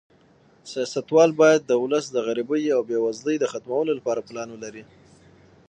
سیاستوال باید د ولس د غریبۍ او بې وزلۍ د ختمولو لپاره پلان ولري.